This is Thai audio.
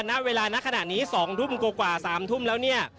ณเวลาณขณะนี้๒ทุ่มกว่า๓ทุ่มแล้วเนี่ย